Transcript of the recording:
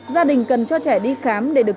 gia đình cần cho trẻ đi khám để được